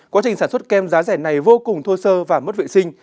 quá trình sản xuất kem giá rẻ này vô cùng thô sơ và mất vệ sinh